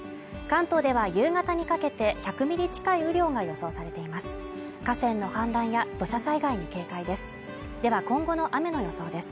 関東では夕方にかけて１００ミリ近い雨量が予想されています